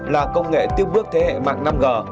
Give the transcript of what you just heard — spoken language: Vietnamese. là công nghệ tiếp bước thế hệ mạng năm g